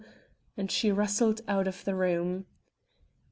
And she rustled out of the room.